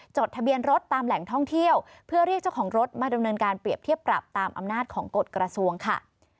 ทะเบียนรถตามแหล่งท่องเที่ยวเพื่อเรียกเจ้าของรถมาดำเนินการเปรียบเทียบปรับตามอำนาจของกฎกระทรวงค่ะ